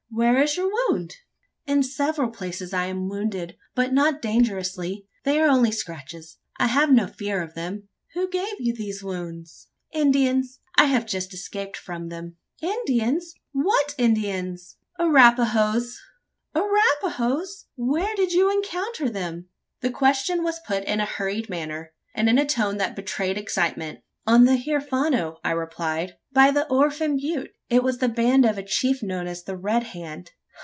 Where is your wound?" "In several places I am wounded; but not dangerously. They are only scratches: I have no fear of them." "Who gave you these wounds?" "Indians. I have just escaped from them." "Indians! What Indians?" "Arapahoes." "Arapahoes! Where did you encounter them?" The question was put in a hurried manner, and in a tone that betrayed excitement. "On the Huerfano," I replied "by the Orphan butte. It was the band of a chief known as the Red Hand."